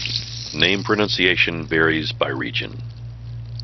Name pronunciation varies by region.